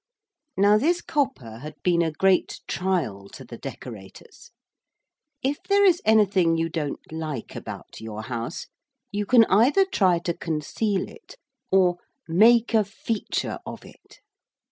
Now this copper had been a great trial to the decorators. If there is anything you don't like about your house, you can either try to conceal it or 'make a feature of it.'